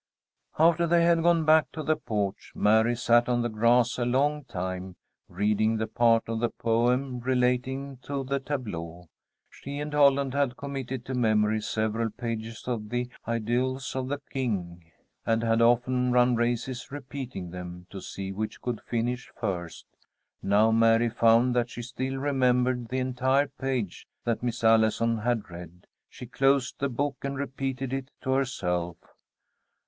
After they had gone back to the porch, Mary sat on the grass a long time, reading the part of the poem relating to the tableau. She and Holland had committed to memory several pages of the "Idylls of the King," and had often run races repeating them, to see which could finish first. Now Mary found that she still remembered the entire page that Miss Allison had read. She closed the book, and repeated it to herself.